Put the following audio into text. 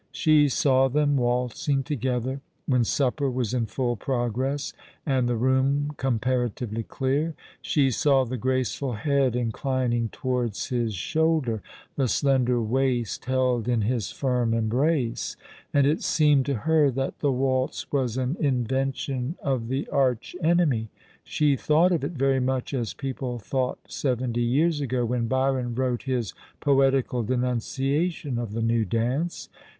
She saw them waltzing together, when supper was in full progress, and the room comparatively clear. She saw the graceful head inclining towards his shoulder, the slender waist held in his firm em brace ; and it seemed to her that the waltz was an invention of the Arch Enemy. She thought of it very much as people thought seventy years ago when Byron wrote his poetical de nunciation of the new dance.